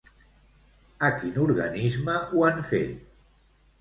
A quin organisme ho han fet?